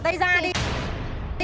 bạn bỏ tay ra đi